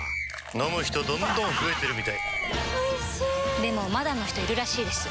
飲む人どんどん増えてるみたいおいしでもまだの人いるらしいですよ